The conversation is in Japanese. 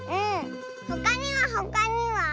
ほかにはほかには？